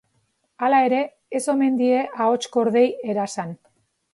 Hala ere, ez omen die ahots-kordei erasan.